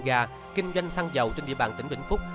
gà kinh doanh xăng dầu trên địa bàn tỉnh vĩnh phúc